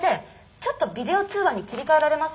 ちょっとビデオ通話に切り替えられます？